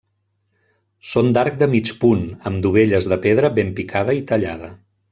Són d'arc de mig punt, amb dovelles de pedra ben picada i tallada.